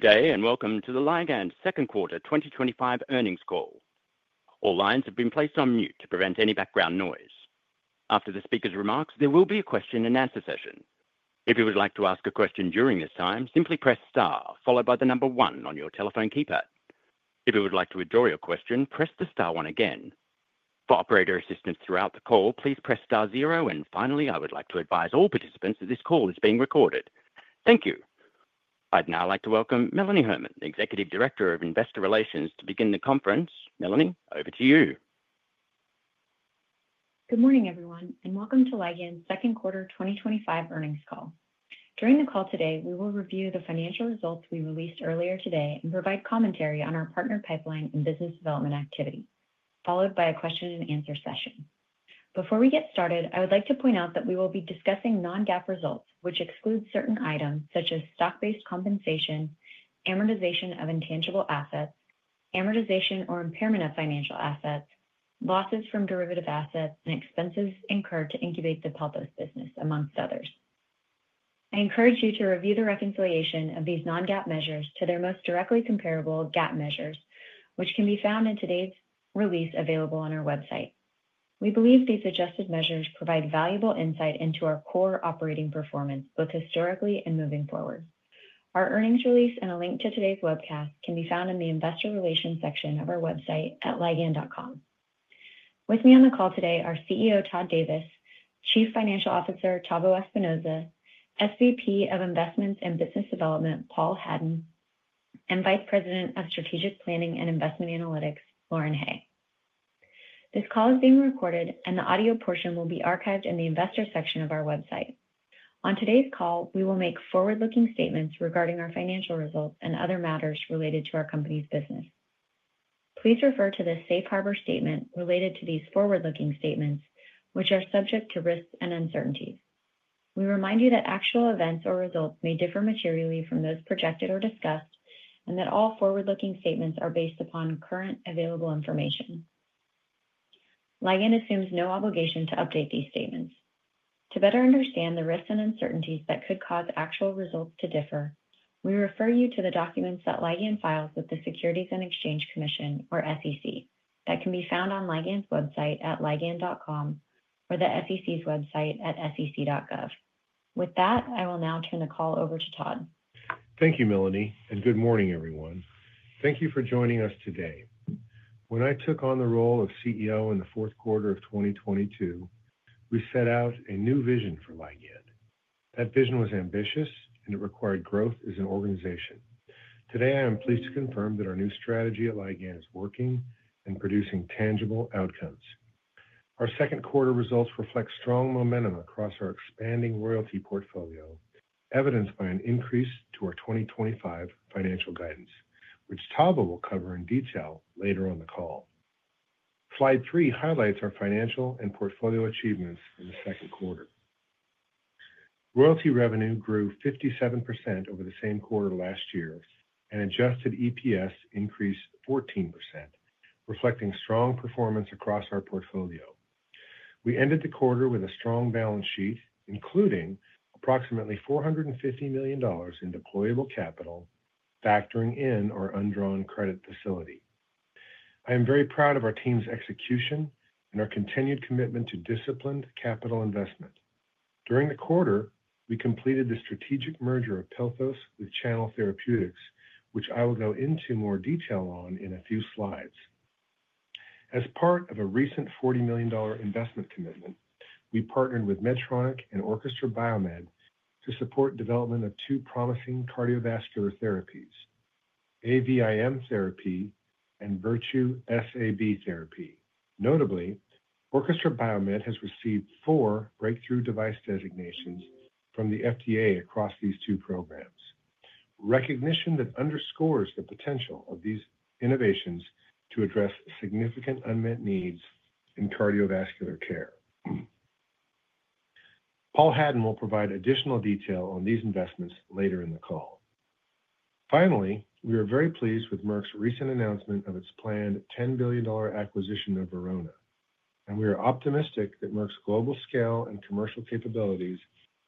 Today, and welcome to the Ligand Second Quarter 2025 Earnings Call. All lines have been placed on mute to prevent any background noise. After the speaker's remarks, there will be a question and answer session. If you would like to ask a question during this time, simply press star, followed by the number one on your telephone keypad. If you would like to withdraw your question, press the star one again. For operator assistance throughout the call, please press star zero. Finally, I would like to advise all participants that this call is being recorded. Thank you. I'd now like to welcome Melanie Herman, the Executive Director of Investor Relations, to begin the conference. Melanie, over to you. Good morning, everyone, and welcome to Ligand's Second Quarter 2025 Earnings Call. During the call today, we will review the financial results we released earlier today and provide commentary on our partner pipeline and business development activity, followed by a question and answer session. Before we get started, I would like to point out that we will be discussing non-GAAP results, which exclude certain items such as stock-based compensation, amortization of intangible assets, amortization or impairment of financial assets, losses from derivative assets, and expenses incurred to incubate the Pelthos business, amongst others. I encourage you to review the reconciliation of these non-GAAP measures to their most directly comparable GAAP measures, which can be found in today's release available on our website. We believe these adjusted measures provide valuable insight into our core operating performance, both historically and moving forward. Our earnings release and a link to today's webcast can be found in the Investor Relations section of our website at ligand.com. With me on the call today are CEO Todd Davis, Chief Financial Officer Tavo Espinoza, SVP of Investments and Business Development Paul Hadden, and Vice President of Strategic Planning and Investment Analytics Lauren Hay. This call is being recorded, and the audio portion will be archived in the Investor section of our website. On today's call, we will make forward-looking statements regarding our financial results and other matters related to our company's business. Please refer to the safe harbor statement related to these forward-looking statements, which are subject to risks and uncertainty. We remind you that actual events or results may differ materially from those projected or discussed, and that all forward-looking statements are based upon current available information. Ligand assumes no obligation to update these statements. To better understand the risks and uncertainties that could cause actual results to differ, we refer you to the documents that Ligand files with the Securities and Exchange Commission, or SEC, that can be found on Ligand's website at ligand.com or the SEC's website at sec.gov. With that, I will now turn the call over to Todd. Thank you, Melanie, and good morning, everyone. Thank you for joining us today. When I took on the role of CEO in the fourth quarter of 2022, we set out a new vision for Ligand. That vision was ambitious, and it required growth as an organization. Today, I am pleased to confirm that our new strategy at Ligand is working and producing tangible outcomes. Our second quarter results reflect strong momentum across our expanding royalty portfolio, evidenced by an increase to our 2025 financial guidance, which Tavo will cover in detail later on the call. Slide three highlights our financial and portfolio achievements in the second quarter. Royalty revenue grew 57% over the same quarter last year, and adjusted EPS increased 14%, reflecting strong performance across our portfolio. We ended the quarter with a strong balance sheet, including approximately $450 million in deployable capital, factoring in our undrawn credit facility. I am very proud of our team's execution and our continued commitment to disciplined capital investment. During the quarter, we completed the strategic merger of Pelthos with Channel Therapeutics, which I will go into more detail on in a few slides. As part of a recent $40 million investment commitment, we partnered with Medtronic and Orchestra BioMed to support the development of two promising cardiovascular therapies: AVIM therapy and Virtue SAB therapy. Notably, Orchestra BioMed has received four breakthrough device designations from the FDA across these two programs, a recognition that underscores the potential of these innovations to address significant unmet needs in cardiovascular care. Paul Hadden will provide additional detail on these investments later in the call. Finally, we are very pleased with Merck's recent announcement of its planned $10 billion acquisition of Verona, and we are optimistic that Merck's global scale and commercial capabilities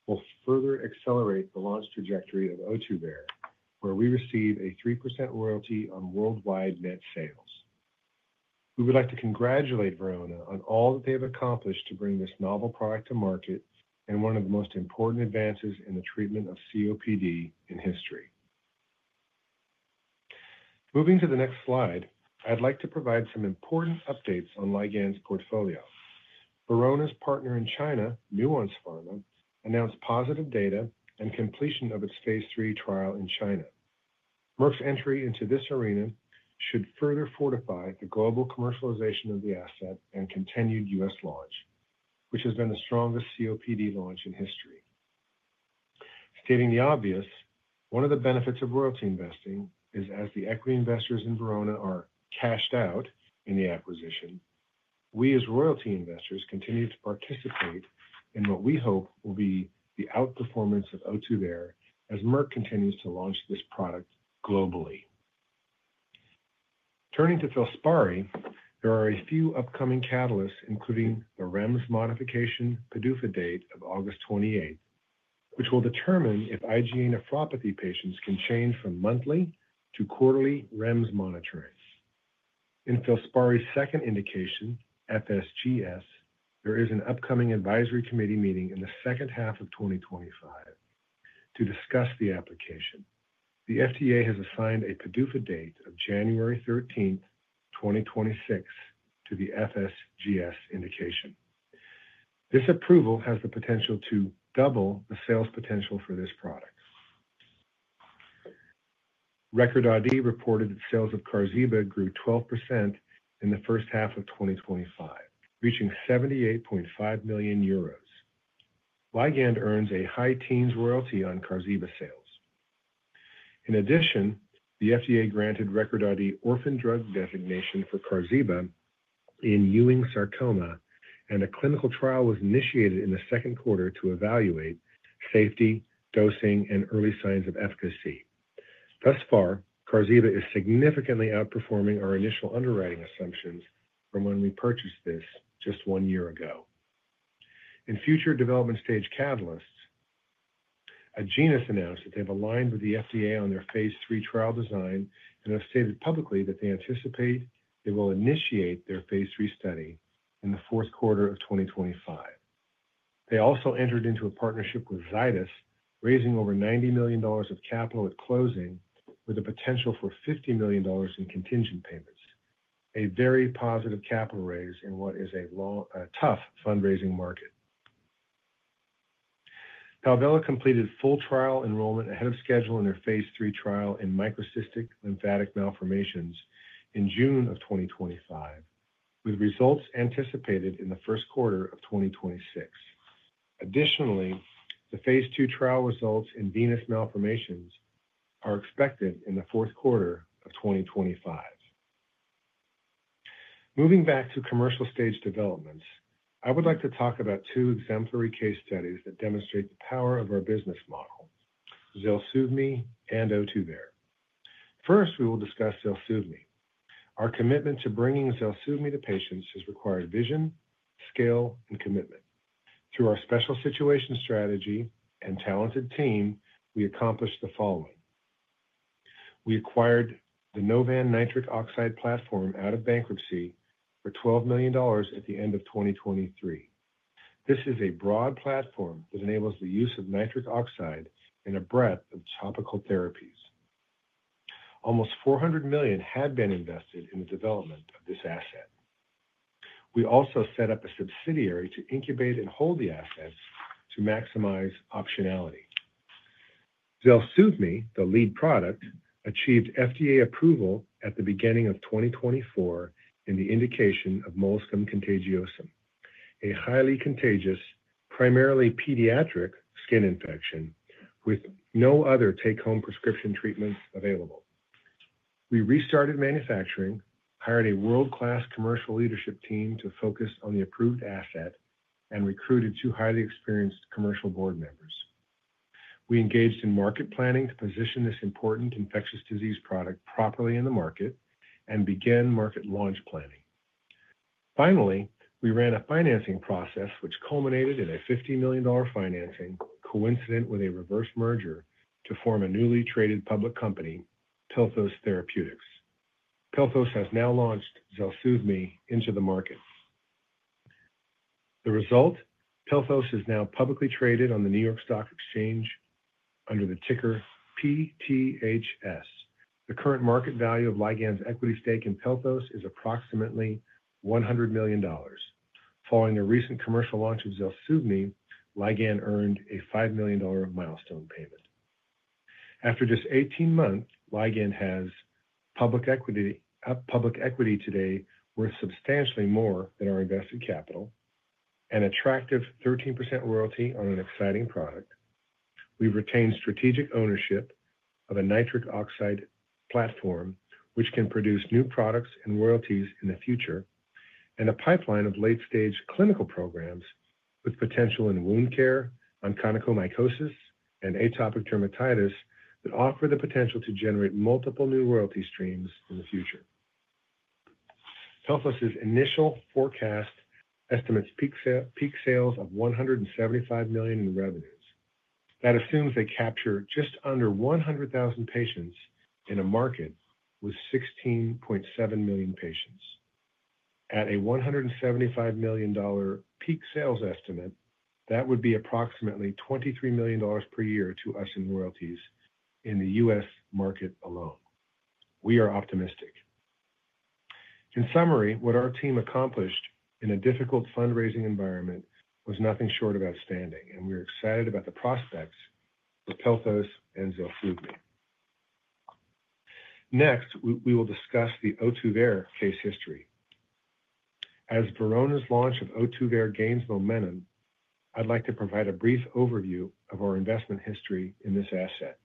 will further accelerate the launch trajectory of Ohtuvayre, where we receive a 3% royalty on worldwide net sales. We would like to congratulate Verona on all that they have accomplished to bring this novel product to market and one of the most important advances in the treatment of COPD in history. Moving to the next slide, I'd like to provide some important updates on Ligand's portfolio. Verona's partner in China, Nuance Pharma, announced positive data and completion of its phase three trial in China. Merck's entry into this arena should further fortify the global commercialization of the asset and continued U.S. launch, which has been the strongest COPD launch in history. Stating the obvious, one of the benefits of royalty investing is as the equity investors in Verona are cashed out in the acquisition, we as royalty investors continue to participate in what we hope will be the outperformance of Ohtuvayre as Merck continues to launch this product globally. Turning to FILSPARI, there are a few upcoming catalysts, including the REMS modification PDUFA date of August 28, which will determine if IgA nephropathy patients can change from monthly to quarterly REMS monitoring. In Filspari's second indication, FSGS, there is an upcoming advisory committee meeting in the second half of 2025 to discuss the application. The FDA has assigned a PDUFA date of January 13, 2026, to the FSGS indication. This approval has the potential to double the sales potential for this product. Recordati reported that sales of Qarziba grew 12% in the first half of 2025, reaching 78.5 million euros. Ligand earns a high teens royalty on Qarziba sales. In addition, the FDA granted Recordati orphan drug designation for Qarziba in Ewing sarcoma, and a clinical trial was initiated in the second quarter to evaluate safety, dosing, and early signs of efficacy. Thus far, Qarziba is significantly outperforming our initial underwriting assumptions from when we purchased this just one year ago. In future development stage catalysts, Agenus announced that they have aligned with the FDA on their phase three trial design and have stated publicly that they anticipate they will initiate their phase three study in the fourth quarter of 2025. They also entered into a partnership with Zydus, raising over $90 million of capital at closing, with a potential for $50 million in contingent payments, a very positive capital raise in what is a tough fundraising market. Valvella completed full trial enrollment ahead of schedule in their phase three trial in microcystic lymphatic malformations in June of 2025, with results anticipated in the first quarter of 2026. Additionally, the phase two trial results in venous malformations are expected in the fourth quarter of 2025. Moving back to commercial stage developments, I would like to talk about two exemplary case studies that demonstrate the power of our business model: ZELSUVMI and Ohtuvayre. First, we will discuss ZELSUVMI. Our commitment to bringing ZELSUVMI to patients has required vision, skill, and commitment. Through our special situation strategy and talented team, we accomplished the following. We acquired the Novan Nitric Oxide platform out of bankruptcy for $12 million at the end of 2023. This is a broad platform that enables the use of nitric oxide in a breadth of topical therapies. Almost $400 million had been invested in the development of this asset. We also set up a subsidiary to incubate and hold the asset to maximize optionality. ZELSUVMI, the lead product, achieved FDA approval at the beginning of 2024 in the indication of molluscum contagiosum, a highly contagious, primarily pediatric skin infection with no other take-home prescription treatments available. We restarted manufacturing, hired a world-class commercial leadership team to focus on the approved asset, and recruited two highly experienced commercial board members. We engaged in market planning to position this important infectious disease product properly in the market and began market launch planning. Finally, we ran a financing process which culminated in a $50 million financing coincident with a reverse merger to form a newly traded public company, Pelthos Therapeutics. Pelthos has now launched ZELSUVMI into the market. The result: Pelthos is now publicly traded on the NYSE under the ticker PTHS. The current market value of Ligand's equity stake in Pelthos is approximately $100 million. Following the recent commercial launch of ZELSUVMI, Ligand earned a $5 million milestone payment. After just 18 months, Ligand has public equity today worth substantially more than our invested capital and an attractive 13% royalty on an exciting product. We've retained strategic ownership of a nitric oxide platform which can produce new products and royalties in the future, and a pipeline of late-stage clinical programs with potential in wound care, onychomycosis, and atopic dermatitis that offer the potential to generate multiple new royalty streams in the future. Pelthos's initial forecast estimates peak sales of $175 million in revenues. That assumes they capture just under 100,000 patients in a market with 16.7 million patients. At a $175 million peak sales estimate, that would be approximately $23 million per year to us in royalties in the U.S. market alone. We are optimistic. In summary, what our team accomplished in a difficult fundraising environment was nothing short of outstanding, and we are excited about the prospects with Pelthos and ZELSUVMI. Next, we will discuss the Ohtuvayre case history. As Verona's launch of Ohtuvayre gains momentum, I'd like to provide a brief overview of our investment history in this asset.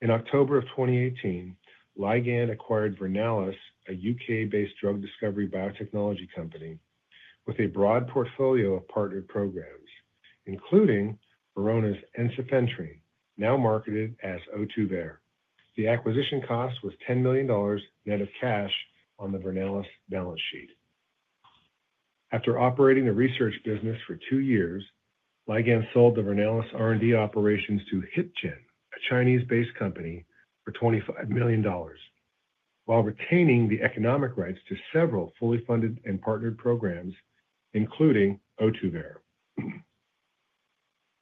In October of 2018, Ligand Pharmaceuticals acquired Vernalis, a U.K. based drug discovery biotechnology company, with a broad portfolio of partner programs, including Verona's ensifentrine, now marketed as Ohtuvayre. The acquisition cost was $10 million net of cash on the Vernalis balance sheet. After operating a research business for two years, Ligand sold the Vernalis R&D operations to HitGen, a China-based company, for $25 million, while retaining the economic rights to several fully funded and partnered programs, including Ohtuvayre.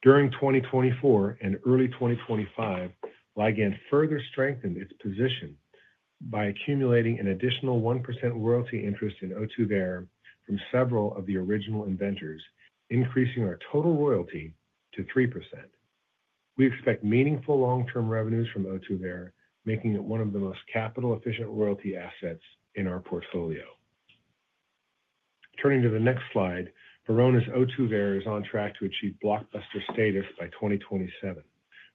During 2024 and early 2025, Ligand further strengthened its position by accumulating an additional 1% royalty interest in Ohtuvayre from several of the original inventors, increasing our total royalty to 3%. We expect meaningful long-term revenues from Ohtuvayre, making it one of the most capital-efficient royalty assets in our portfolio. Turning to the next slide, Verona's Ohtuvayre is on track to achieve blockbuster status by 2027.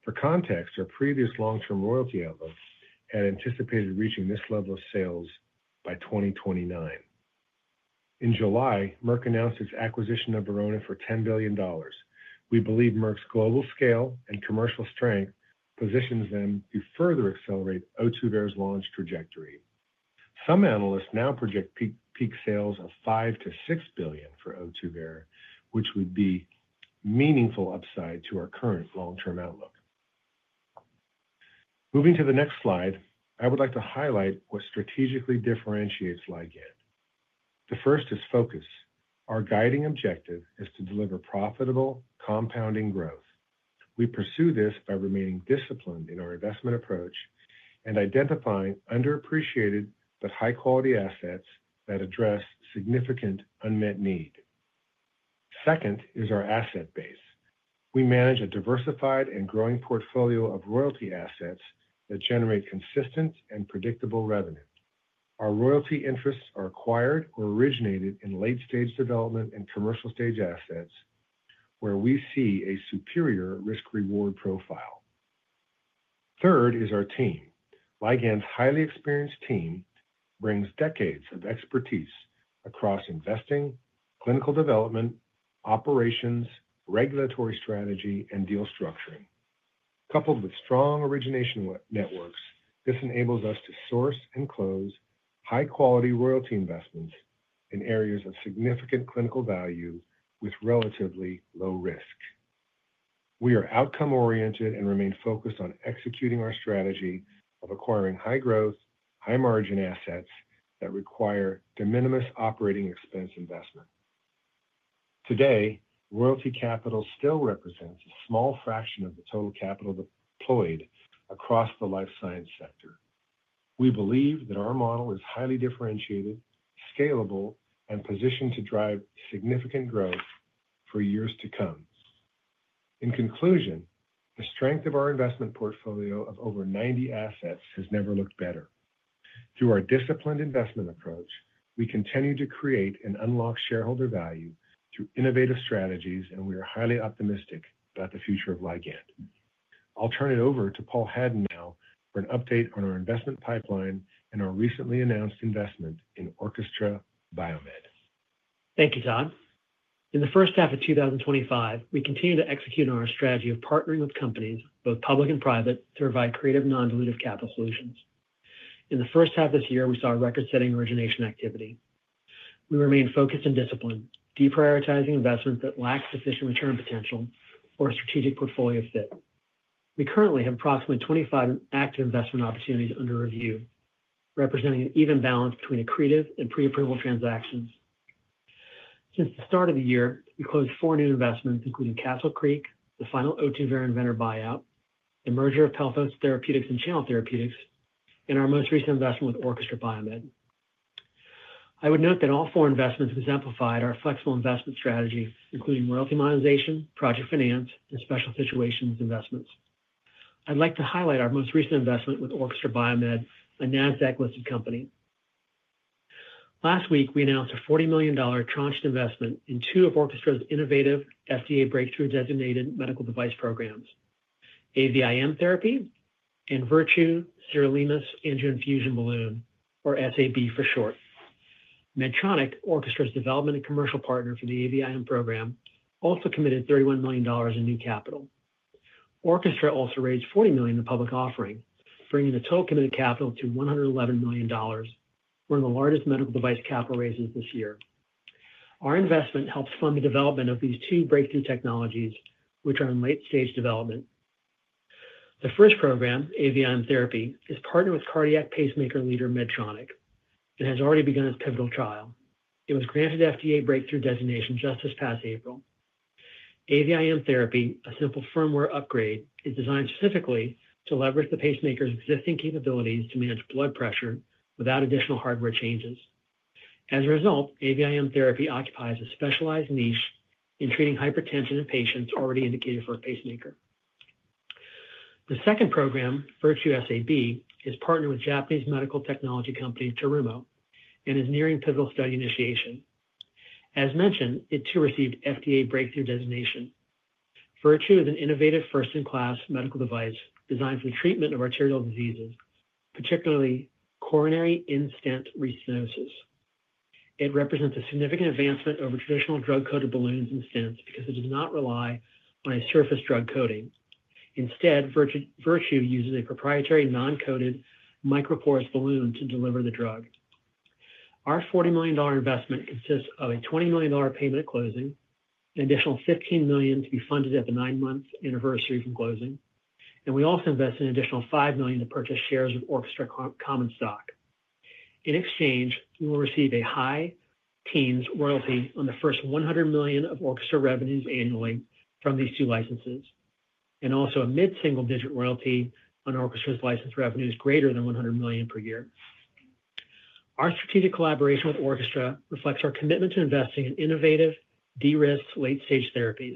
For context, our previous long-term royalty outlook had anticipated reaching this level of sales by 2029. In July, Merck announced its acquisition of Verona for $10 billion. We believe Merck's global scale and commercial strength positions them to further accelerate Ohtuvayre's launch trajectory. Some analysts now project peak sales of $5 billion-$6 billion for Ohtuvayre, which would be meaningful upside to our current long-term outlook. Moving to the next slide, I would like to highlight what strategically differentiates Ligand. The first is focus. Our guiding objective is to deliver profitable, compounding growth. We pursue this by remaining disciplined in our investment approach and identifying underappreciated but high-quality assets that address significant unmet needs. Second is our asset base. We manage a diversified and growing portfolio of royalty assets that generate consistent and predictable revenue. Our royalty interests are acquired or originated in late-stage development and commercial-stage assets, where we see a superior risk-reward profile. Third is our team. Ligand's highly experienced team brings decades of expertise across investing, clinical development, operations, regulatory strategy, and deal structuring. Coupled with strong origination networks, this enables us to source and close high-quality royalty investments in areas of significant clinical value with relatively low risk. We are outcome-oriented and remain focused on executing our strategy of acquiring high-growth, high-margin assets that require de minimis operating expense investment. Today, royalty capital still represents a small fraction of the total capital deployed across the life science sector. We believe that our model is highly differentiated, scalable, and positioned to drive significant growth for years to come. In conclusion, the strength of our investment portfolio of over 90 assets has never looked better. Through our disciplined investment approach, we continue to create and unlock shareholder value through innovative strategies, and we are highly optimistic about the future of Ligand. I'll turn it over to Paul Hadden now for an update on our investment pipeline and our recently announced investment in Orchestra BioMed. Thank you, Todd. In the first half of 2025, we continue to execute on our strategy of partnering with companies, both public and private, to provide creative non-dilutive capital solutions. In the first half of this year, we saw a record-setting origination activity. We remain focused and disciplined, deprioritizing investments that lack sufficient return potential or strategic portfolio fit. We currently have approximately 25 active investment opportunities under review, representing an even balance between accretive and pre-approval transactions. Since the start of the year, we closed four new investments, including Castle Creek, the final Ohtuvayre inventor buyout, the merger of Pelthos Therapeutics and Channel Therapeutics, and our most recent investment with Orchestra BioMed. I would note that all four investments exemplified our flexible investment strategy, including royalty monetization, project finance, and special situations investments. I'd like to highlight our most recent investment with Orchestra BioMed, a NASDAQ-listed company. Last week, we announced a $40 million tranche investment in two of Orchestra's innovative FDA breakthrough designated medical device programs: AVIM therapy and Virtue sirolimus-eluting balloon, or SAB for short. Medtronic, Orchestra's development and commercial partner for the AVIM program, also committed $31 million in new capital. Orchestra also raised $40 million in public offering, bringing the total committed capital to $111 million, one of the largest medical device capital raises this year. Our investment helps fund the development of these two breakthrough technologies, which are in late-stage development. The first program, AVIM therapy, is partnered with cardiac pacemaker leader Medtronic and has already begun its pivotal trial. It was granted FDA breakthrough designation just this past April. AVIM therapy, a simple firmware upgrade, is designed specifically to leverage the pacemaker's existing capabilities to manage blood pressure without additional hardware changes. As a result, AVIM therapy occupies a specialized niche in treating hypertension in patients already indicated for a pacemaker. The second program, Virtue SAB, is partnered with Japanese medical technology company Terumo and is nearing pivotal study initiation. As mentioned, it too received FDA breakthrough designation. Virtue is an innovative, first-in-class medical device designed for the treatment of arterial diseases, particularly coronary in-stent restenosis. It represents a significant advancement over traditional drug-coated balloons and stents because it does not rely on a surface drug coating. Instead, Virtue uses a proprietary non-coated microporous balloon to deliver the drug. Our $40 million investment consists of a $20 million payment at closing, an additional $15 million to be funded at the nine-month anniversary from closing, and we also invest an additional $5 million to purchase shares of Orchestra common stock. In exchange, you will receive a high teens royalty on the first $100 million of Orchestra revenues annually from these two licenses, and also a mid-single-digit royalty on Orchestra's licensed revenues greater than $100 million per year. Our strategic collaboration with Orchestra reflects our commitment to investing in innovative, de-risked late-stage therapies.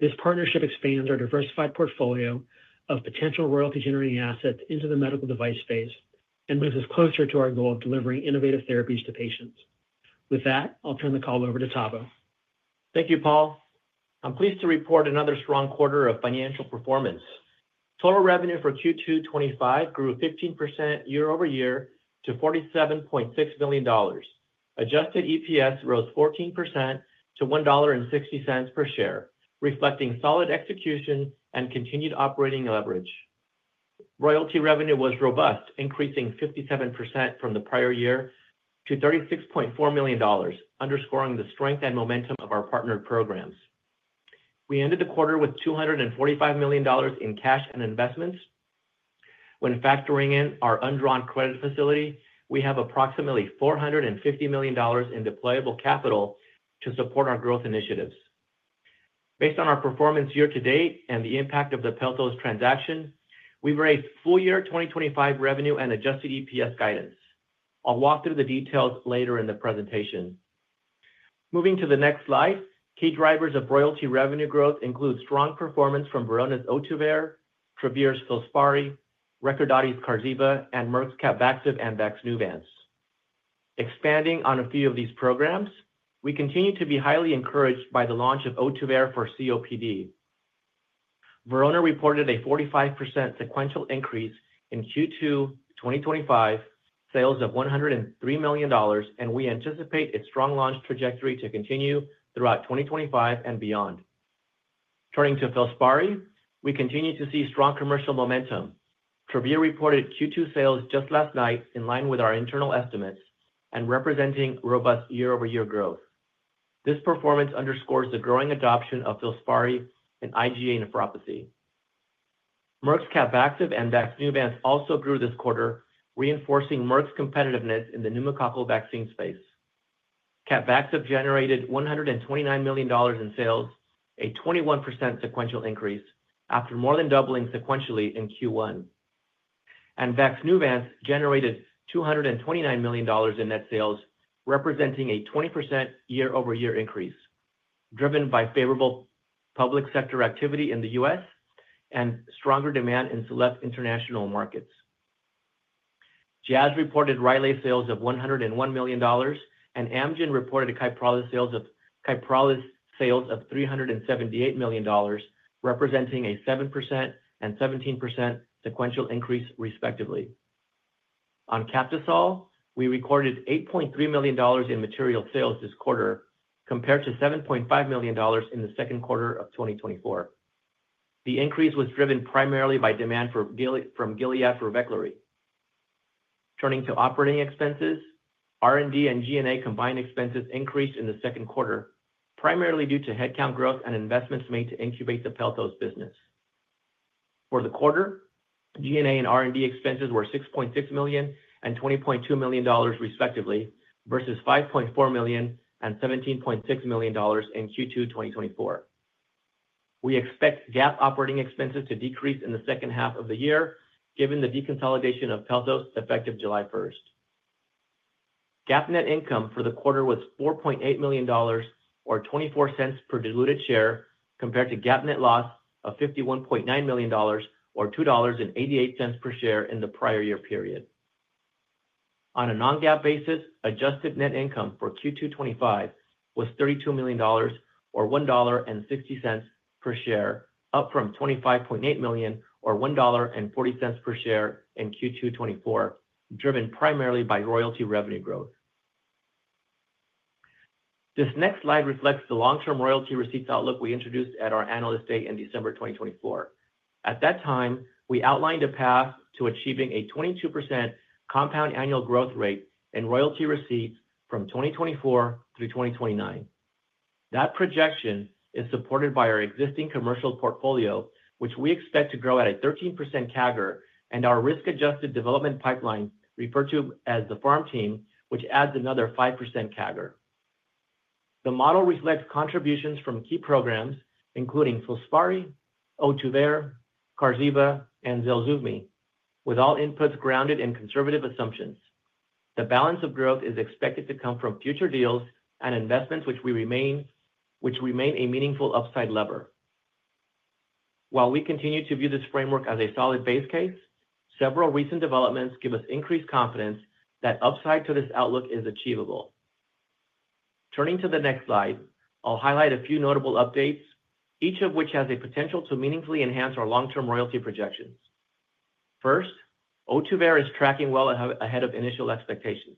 This partnership expands our diversified portfolio of potential royalty-generating assets into the medical device space and moves us closer to our goal of delivering innovative therapies to patients. With that, I'll turn the call over to Tavo. Thank you, Paul. I'm pleased to report another strong quarter of financial performance. Total revenue for Q2 2025 grew 15% year-over-year to $47.6 million. Adjusted EPS rose 14% to $1.60 per share, reflecting solid execution and continued operating leverage. Royalty revenue was robust, increasing 57% from the prior year to $36.4 million, underscoring the strength and momentum of our partnered programs. We ended the quarter with $245 million in cash and investments. When factoring in our undrawn credit facility, we have approximately $450 million in deployable capital to support our growth initiatives. Based on our performance year to date and the impact of the Pelthos Therapeutics transaction, we've raised full-year 2025 revenue and adjusted EPS guidance. I'll walk through the details later in the presentation. Moving to the next slide, key drivers of royalty revenue growth include strong performance from Verona's Ohtuvayre, Travere's Filspari, Recordati's Qarziba, and Merck's CAPVAXIVE and VAXNEUVANCE. Expanding on a few of these programs, we continue to be highly encouraged by the launch of Ohtuvayre for COPD. Verona reported a 45% sequential increase in Q2 2025 sales of $103 million, and we anticipate its strong launch trajectory to continue throughout 2025 and beyond. Turning to Filspari, we continue to see strong commercial momentum. Travere Therapeutics reported Q2 sales just last night in line with our internal estimates and representing robust year-over-year growth. This performance underscores the growing adoption of Filspari in IgA nephropathy. Merck's CAPVAXIVE and VAXNEUVANCE also grew this quarter, reinforcing Merck's competitiveness in the pneumococcal vaccine space. CAPVAXIVE generated $129 million in sales, a 21% sequential increase after more than doubling sequentially in Q1. VAXNEUVANCE generated $229 million in net sales, representing a 20% year-over-year increase, driven by favorable public sector activity in the U.S. and stronger demand in select international markets. Jazz reported Rylaze sales of $101 million, and Amgen reported Kyprolis sales of $378 million, representing a 7% and 17% sequential increase, respectively. On Captisol, we recorded $8.3 million in material sales this quarter, compared to $7.5 million in the second quarter of 2024. The increase was driven primarily by demand from Gilead for Veklury. Turning to operating expenses, R&D and G&A combined expenses increased in the second quarter, primarily due to headcount growth and investments made to incubate the Pelthos business. For the quarter, G&A and R&D expenses were $6.6 million and $20.2 million, respectively, versus $5.4 million and $17.6 million in Q2 2024. We expect GAAP operating expenses to decrease in the second half of the year, given the deconsolidation of Pelthos effective July 1. GAAP net income for the quarter was $4.8 million, or $0.24 per diluted share, compared to GAAP net loss of $51.9 million, or $2.88 per share in the prior year period. On a non-GAAP basis, adjusted net income for Q2 2025 was $32 million, or $1.60 per share, up from $25.8 million, or $1.40 per share in Q2 2024, driven primarily by royalty revenue growth. This next slide reflects the long-term royalty receipts outlook we introduced at our analyst day in December 2024. At that time, we outlined a path to achieving a 22% compound annual growth rate in royalty receipts from 2024 through 2029. That projection is supported by our existing commercial portfolio, which we expect to grow at a 13% CAGR, and our risk-adjusted development pipeline, referred to as the FARM team, which adds another 5% CAGR. The model reflects contributions from key programs, including Filspari, Ohtuvayre, Qarziba, and ZELSUVMI, with all inputs grounded in conservative assumptions. The balance of growth is expected to come from future deals and investments, which remain a meaningful upside lever. While we continue to view this framework as a solid base case, several recent developments give us increased confidence that upside to this outlook is achievable. Turning to the next slide, I'll highlight a few notable updates, each of which has a potential to meaningfully enhance our long-term royalty projections. First, Ohtuvayre is tracking well ahead of initial expectations.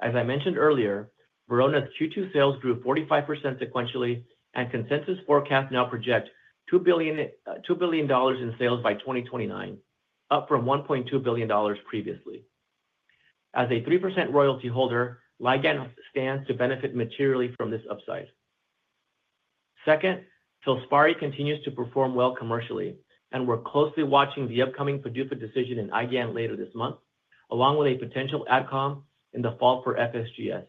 As I mentioned earlier, Verona's Q2 sales grew 45% sequentially, and consensus forecasts now project $2 billion in sales by 2029, up from $1.2 billion previously. As a 3% royalty holder, Ligand stands to benefit materially from this upside. Second, Filspari continues to perform well commercially, and we're closely watching the upcoming PDUFA decision in IgAN later this month, along with a potential AdCom in the fall for FSGS.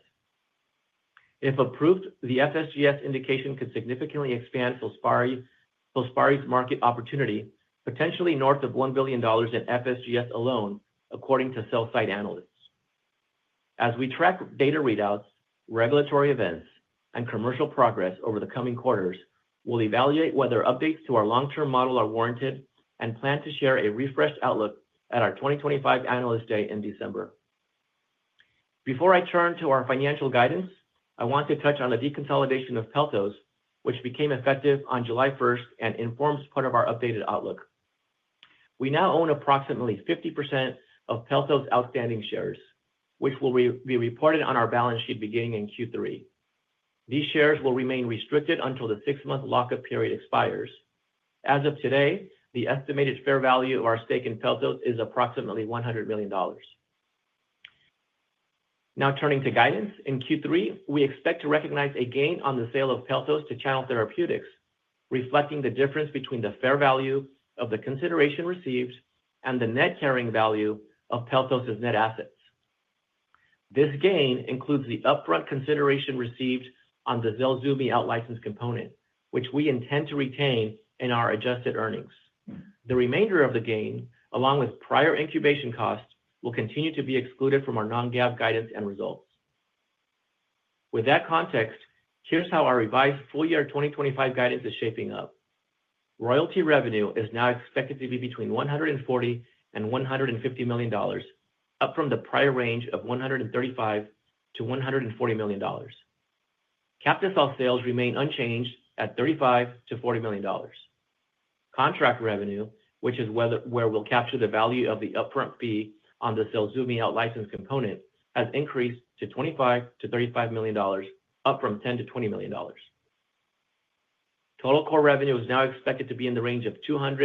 If approved, the FSGS indication could significantly expand Filspari's market opportunity, potentially north of $1 billion in FSGS alone, according to sell side analysts. As we track data readouts, regulatory events, and commercial progress over the coming quarters, we'll evaluate whether updates to our long-term model are warranted and plan to share a refreshed outlook at our 2025 analyst day in December. Before I turn to our financial guidance, I want to touch on the deconsolidation of Pelthos, which became effective on July 1st and informs part of our updated outlook. We now own approximately 50% of Pelthos' outstanding shares, which will be reported on our balance sheet beginning in Q3. These shares will remain restricted until the six-month lockup period expires. As of today, the estimated fair value of our stake in Pelthos is approximately $100 million. Now turning to guidance, in Q3, we expect to recognize a gain on the sale of Pelthos to Channel Therapeutics, reflecting the difference between the fair value of the consideration received and the net carrying value of Pelthos' net assets. This gain includes the upfront consideration received on the ZELSUVMI outlicensed component, which we intend to retain in our adjusted earnings. The remainder of the gain, along with prior incubation costs, will continue to be excluded from our non-GAAP guidance and results. With that context, here's how our revised full-year 2025 guidance is shaping up. Royalty revenue is now expected to be between $140 million-$150 million, up from the prior range of $135 million-$140 million. Captisol sales remain unchanged at $35 to $40 million. Contract revenue, which is where we'll capture the value of the upfront fee on the ZELSUVMI outlicensed component, has increased to $25 million-$35 million, up from $10 million-$20 million. Total core revenue is now expected to be in the range of $200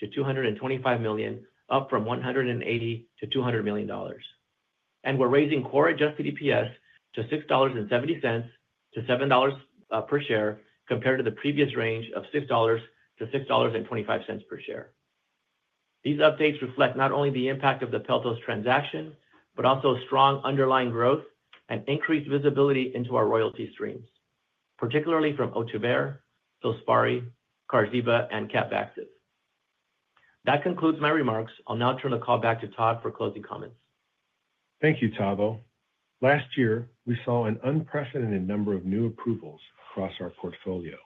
million-$225 million, up from $180 million-$200 million. We're raising core adjusted EPS to $6.70-$7 per share, compared to the previous range of $6-$6.25 per share. These updates reflect not only the impact of the Pelthos transaction, but also strong underlying growth and increased visibility into our royalty streams, particularly from Ohtuvayre, Filspari, Qarziba, and CAPVAXIVE. That concludes my remarks. I'll now turn the call back to Todd for closing comments. Thank you, Tavo. Last year, we saw an unprecedented number of new approvals across our portfolio,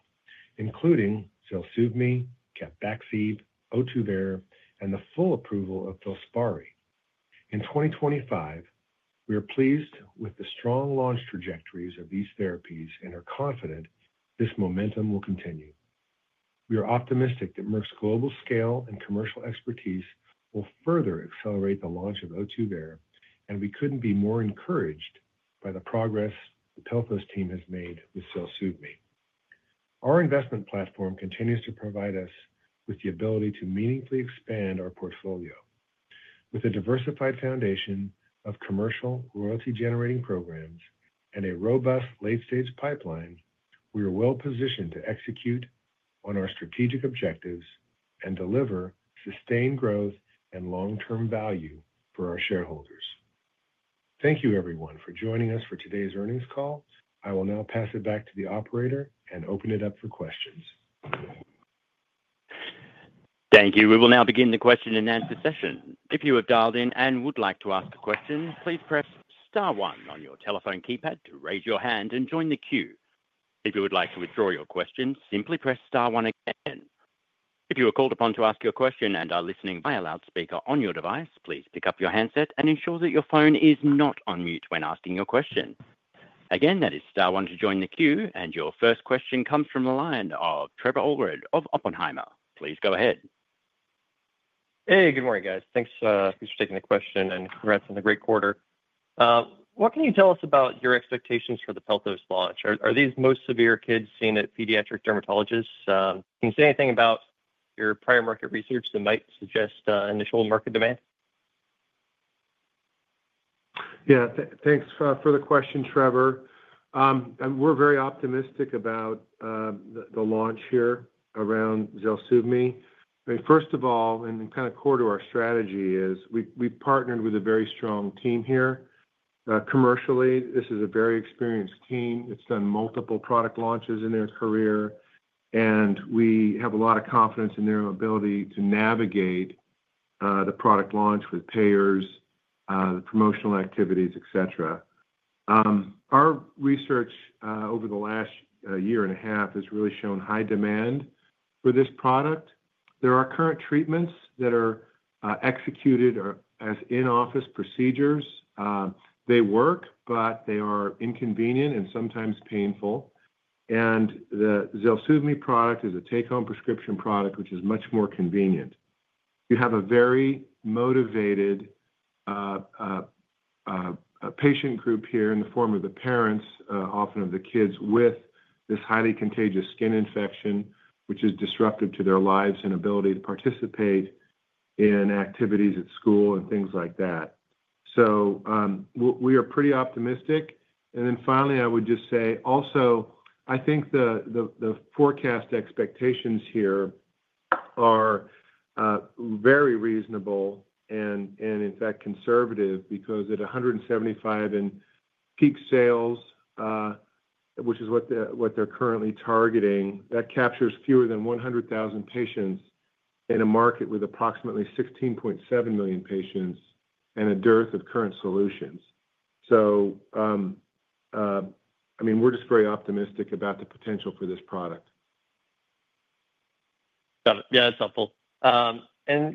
including ZELSUVMI, CAPVAXIVE, Ohtuvayre, and the full approval of Filspari. In 2025, we are pleased with the strong launch trajectories of these therapies and are confident this momentum will continue. We are optimistic that Merck's global scale and commercial expertise will further accelerate the launch of Ohtuvayre, and we couldn't be more encouraged by the progress the Pelthos team has made with ZELSUVMI. Our investment platform continues to provide us with the ability to meaningfully expand our portfolio. With a diversified foundation of commercial royalty-generating programs and a robust late-stage pipeline, we are well positioned to execute on our strategic objectives and deliver sustained growth and long-term value for our shareholders. Thank you, everyone, for joining us for today's earnings call. I will now pass it back to the operator and open it up for questions. Thank you. We will now begin the question-and-answer session. If you have dialed in and would like to ask a question, please press star one on your telephone keypad to raise your hand and join the queue. If you would like to withdraw your question, simply press star one again. If you are called upon to ask your question and are listening via loudspeaker on your device, please pick up your handset and ensure that your phone is not on mute when asking your question. Again, that is star one to join the queue, and your first question comes from the line of Trevor Allred of Oppenheimer. Please go ahead. Hey, good morning, guys. Thanks for taking the question, and congrats on a great quarter. What can you tell us about your expectations for the Pelthos launch? Are these most severe kids seen at pediatric dermatologists? Can you say anything about your prior market research that might suggest initial market demand? Yeah, thanks for the question, Trevor. We're very optimistic about the launch here around ZELSUVMI. First of all, and kind of core to our strategy, is we partnered with a very strong team here. Commercially, this is a very experienced team. It's done multiple product launches in their career, and we have a lot of confidence in their ability to navigate the product launch with payers, promotional activities, etc. Our research over the last year and a half has really shown high demand for this product. There are current treatments that are executed as in-office procedures. They work, but they are inconvenient and sometimes painful. The ZELSUVMI product is a take-home prescription product, which is much more convenient. You have a very motivated patient group here in the form of the parents, often of the kids with this highly contagious skin infection, which is disruptive to their lives and ability to participate in activities at school and things like that. We are pretty optimistic. Finally, I would just say, also, I think the forecast expectations here are very reasonable and, in fact, conservative because at $175 million in peak sales, which is what they're currently targeting, that captures fewer than 100,000 patients in a market with approximately 16.7 million patients and a dearth of current solutions. We are just very optimistic about the potential for this product. Got it. Yeah, that's helpful. Can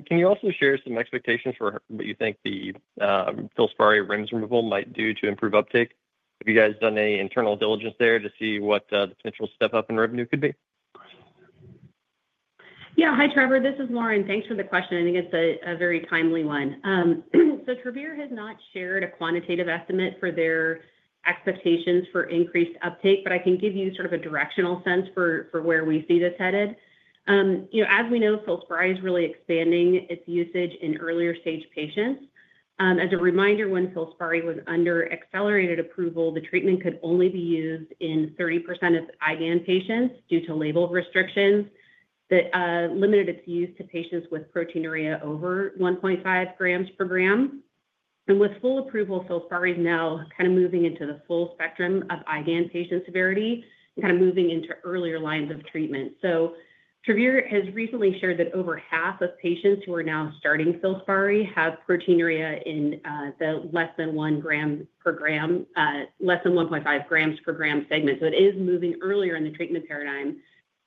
you also share some expectations for what you think the Filspari REMS removal might do to improve uptake? Have you guys done any internal diligence there to see what the potential step up in revenue could be? Yeah. Hi, Trevor. This is Lauren. Thanks for the question. I think it's a very timely one. Travere has not shared a quantitative estimate for their expectations for increased uptake, but I can give you sort of a directional sense for where we see this headed. You know, as we know, Filspari is really expanding its usage in earlier-stage patients. As a reminder, when Filspari was under accelerated approval, the treatment could only be used in 30% of IGAN patients due to label restrictions that limited its use to patients with proteinuria over 1.5 g per gram. With full approval, Filspari is now kind of moving into the full spectrum of IgAN patient severity and kind of moving into earlier lines of treatment. Travere has recently shared that over half of patients who are now starting Filspari have proteinuria in the less than 1 g per gram, less than 1.5 g per gram segment. It is moving earlier in the treatment paradigm.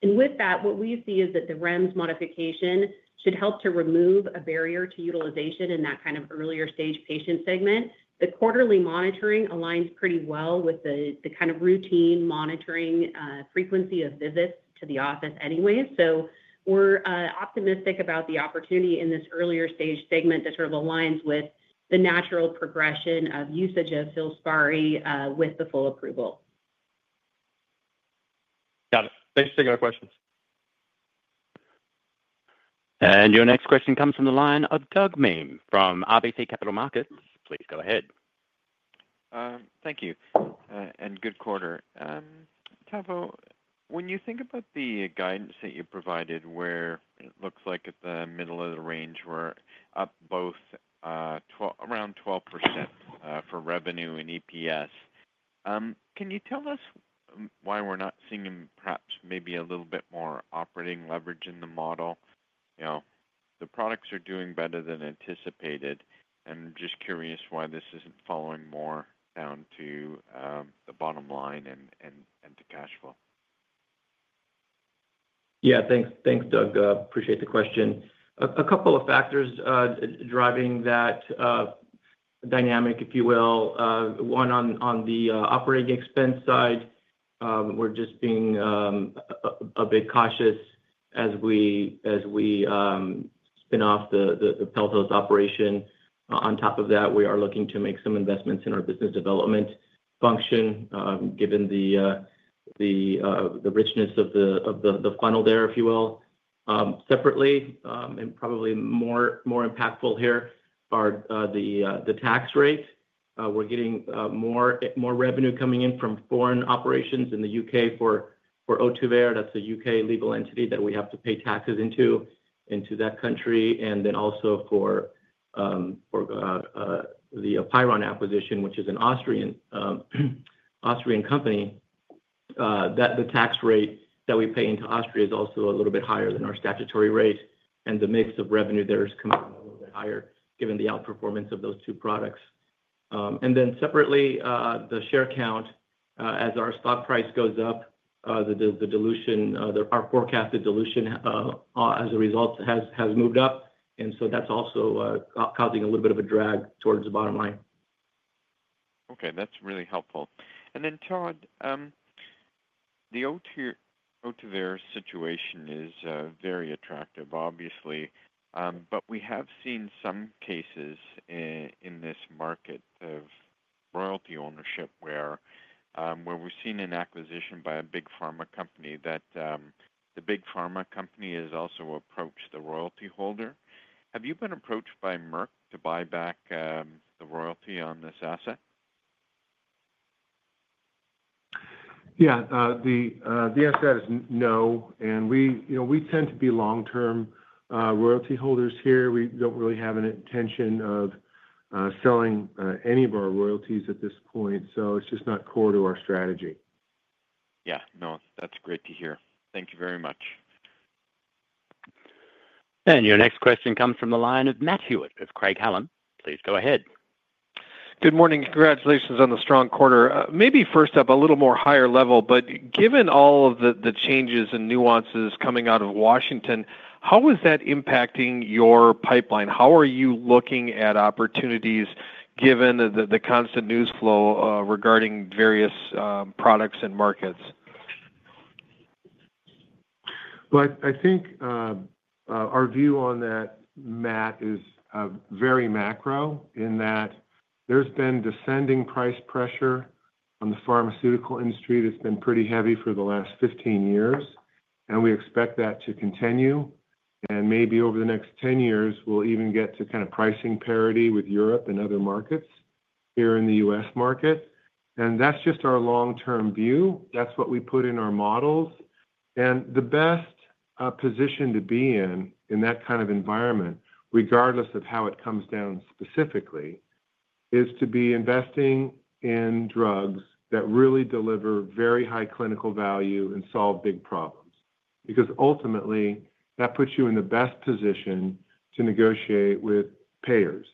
With that, what we see is that the REMS modification should help to remove a barrier to utilization in that kind of earlier-stage patient segment. The quarterly monitoring aligns pretty well with the kind of routine monitoring frequency of visits to the office anyway. We're optimistic about the opportunity in this earlier-stage segment that sort of aligns with the natural progression of usage of Filspari with the full approval. Got it. Thanks for taking our questions. Your next question comes from the line of Doug Miehm from RBC Capital Markets. Please go ahead. Thank you. Good quarter. Tavo, when you think about the guidance that you provided, where it looks like at the middle of the range, we're up both around 12% for revenue and EPS, can you tell us why we're not seeing perhaps maybe a little bit more operating leverage in the model? The products are doing better than anticipated. I'm just curious why this isn't following more down to the bottom line and to cash flow. Yeah, thanks, Doug. Appreciate the question. A couple of factors driving that dynamic, if you will. One, on the operating expense side, we're just being a bit cautious as we spin off the Pelthos operation. On top of that, we are looking to make some investments in our business development function, given the richness of the funnel there, if you will. Separately, and probably more impactful here, are the tax rate. We're getting more revenue coming in from foreign operations in the U.K. for Ohtuvayre. That's a U.K. legal entity that we have to pay taxes into that country. Also, for the APEIRON acquisition, which is an Austrian company, the tax rate that we pay into Austria is also a little bit higher than our statutory rate. The mix of revenue there is coming a little bit higher, given the outperformance of those two products. Separately, the share count, as our stock price goes up, our forecasted dilution as a result has moved up. That's also causing a little bit of a drag towards the bottom line. Okay, that's really helpful. Todd, the Ohtuvayre situation is very attractive, obviously. We have seen some cases in this market of royalty ownership where we've seen an acquisition by a big pharma company that the big pharma company has also approached the royalty holder. Have you been approached by Merck to buy back the royalty on this asset? The answer to that is no. We tend to be long-term royalty holders here. We don't really have an intention of selling any of our royalties at this point. It's just not core to our strategy. Yeah, no, that's great to hear. Thank you very much. Your next question comes from the line of Matt Hewitt at Craig-Hallum. Please go ahead. Good morning. Congratulations on the strong quarter. Maybe first up, a little more higher level, but given all of the changes and nuances coming out of Washington, how is that impacting your pipeline? How are you looking at opportunities given the constant news flow regarding various products and markets? I think our view on that, Matt, is very macro in that there's been descending price pressure on the pharmaceutical industry that's been pretty heavy for the last 15 years. We expect that to continue. Maybe over the next 10 years, we'll even get to kind of pricing parity with Europe and other markets here in the U.S. market. That's just our long-term view. That's what we put in our models. The best position to be in in that kind of environment, regardless of how it comes down specifically, is to be investing in drugs that really deliver very high clinical value and solve big problems. Ultimately, that puts you in the best position to negotiate with payers.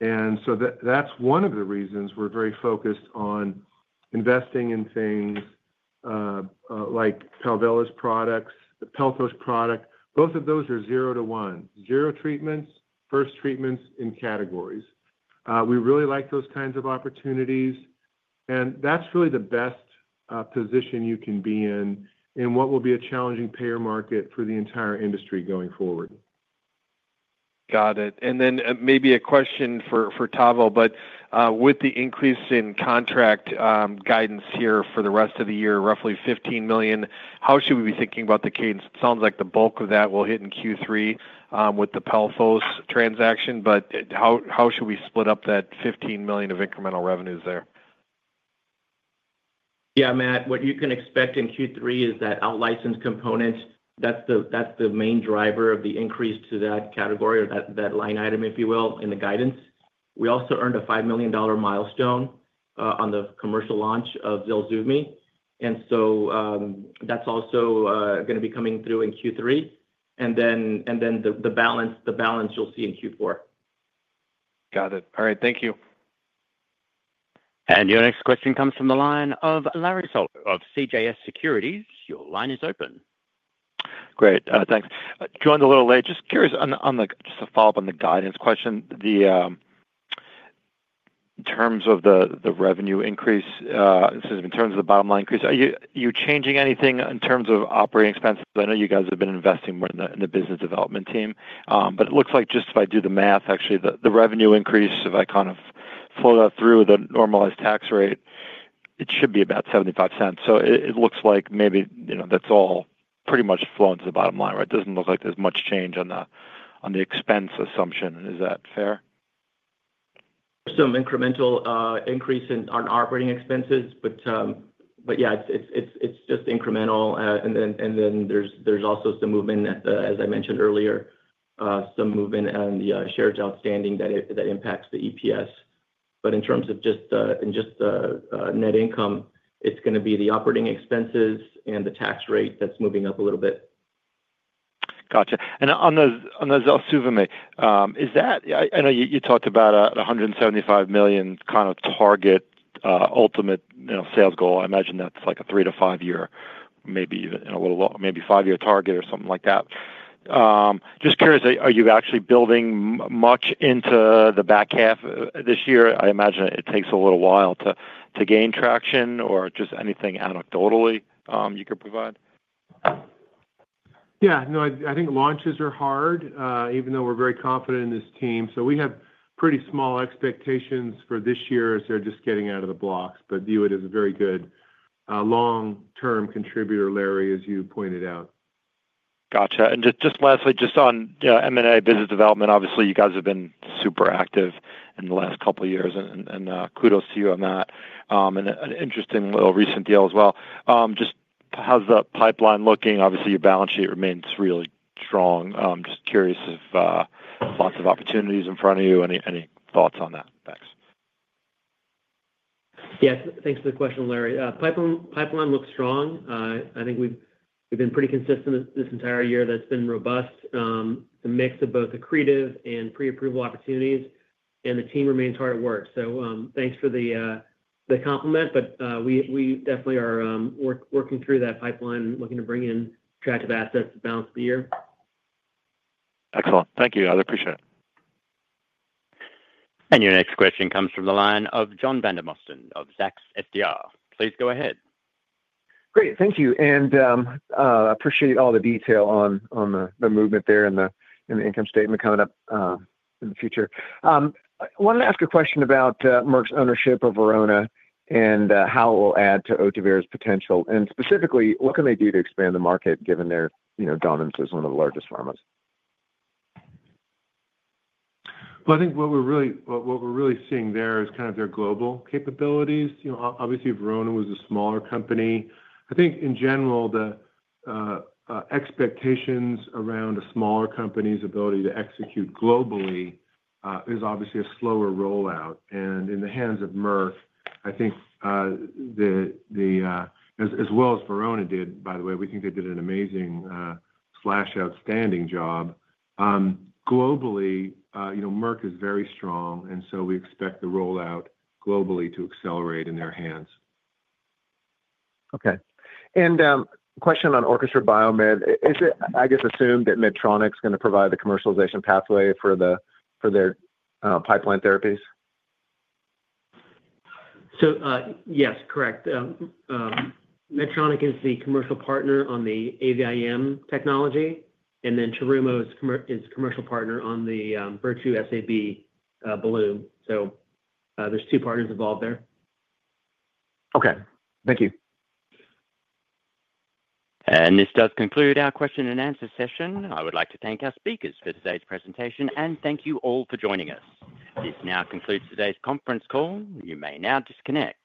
That's one of the reasons we're very focused on investing in things like CAPVAXIVE's products, the Pelthos product. Both of those are zero to one, zero treatments, first treatments in categories. We really like those kinds of opportunities. That's really the best position you can be in in what will be a challenging payer market for the entire industry going forward. Got it. Maybe a question for Tavo, but with the increase in contract guidance here for the rest of the year, roughly $15 million, how should we be thinking about the cadence? It sounds like the bulk of that will hit in Q3 with the Pelthos Therapeutics transaction, but how should we split up that $15 million of incremental revenues there? Yeah, Matt, what you can expect in Q3 is that outlicensed components, that's the main driver of the increase to that category or that line item, if you will, in the guidance. We also earned a $5 million milestone on the commercial launch of ZELSUVMI. That's also going to be coming through in Q3. The balance you'll see in Q4. Got it. All right, thank you. Your next question comes from the line of Larry Solow of CJS Securities. Your line is open. Great, thanks. Joined a little late. Just curious on a follow-up on the guidance question. In terms of the revenue increase, in terms of the bottom line increase, are you changing anything in terms of operating expenses? I know you guys have been investing more in the Business Development team, but it looks like just if I do the math, actually, the revenue increase, if I kind of flow that through the normalized tax rate, it should be about $0.75. It looks like maybe that's all pretty much flowing to the bottom line, right? It doesn't look like there's much change on the expense assumption. Is that fair? Some incremental increase in operating expenses, but yeah, it's just incremental. There's also some movement, as I mentioned earlier, some movement on the shares outstanding that impacts the EPS. In terms of just the net income, it's going to be the operating expenses and the tax rate that's moving up a little bit. Gotcha. On the ZELSUVMI, I know you talked about a $175 million kind of target ultimate sales goal. I imagine that's like a three to five-year, maybe even a little long, maybe five-year target or something like that. Just curious, are you actually building much into the back half this year? I imagine it takes a little while to gain traction or just anything anecdotally you could provide? Yeah, no, I think launches are hard, even though we're very confident in this team. We have pretty small expectations for this year as they're just getting out of the blocks. [Dewitt] is a very good long-term contributor, Larry, as you pointed out. Gotcha. Lastly, just on M&A business development, obviously, you guys have been super active in the last couple of years, and kudos to you on that. An interesting little recent deal as well. How's the pipeline looking? Obviously, your balance sheet remains really strong. Just curious if lots of opportunities in front of you. Any thoughts on that? Thanks. Yeah, thanks for the question, Larry. Pipeline looks strong. I think we've been pretty consistent this entire year. That's been robust, a mix of both accretive and pre-approval opportunities, and the team remains hard at work. Thanks for the compliment, but we definitely are working through that pipeline, looking to bring in attractive assets to balance the year. Excellent. Thank you. I appreciate it. Your next question comes from the line of John Vandermosten of Zacks FDR. Please go ahead. Great. Thank you. I appreciate all the detail on the movement there and the income statement coming up in the future. I wanted to ask a question about Merck's ownership of Verona and how it will add to Ohtuvayre's potential. Specifically, what can they do to expand the market given their dominance as one of the largest pharmas? I think what we're really seeing there is kind of their global capabilities. Obviously, Verona was a smaller company. I think in general, the expectations around a smaller company's ability to execute globally is obviously a slower rollout. In the hands of Merck, I think, as well as Verona did, by the way, we think they did an amazing or outstanding job. Globally, Merck is very strong, and we expect the rollout globally to accelerate in their hands. Okay. Question on Orchestra BioMed. Is it, I guess, assumed that Medtronic is going to provide the commercialization pathway for their pipeline therapies? Yes, correct. Medtronic is the commercial partner on the AVIM therapy, and then Terumo is a commercial partner on the Virtue SAB balloon. There are two partners involved there. Okay. Thank you. This does conclude our question-and-answer session. I would like to thank our speakers for today's presentation, and thank you all for joining us. This now concludes today's conference call. You may now disconnect.